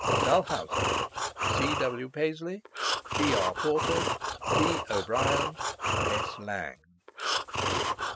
DALHOUSIE. C. W. PASLEY. G. R. PORTER. D. O'BRIEN. S. LAING.